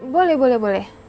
boleh boleh boleh